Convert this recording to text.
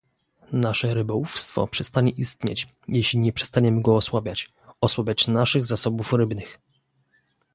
Nasze rybołówstwo przestanie istnieć, jeżeli nie przestaniemy go osłabiać, osłabiać naszych zasobów rybnych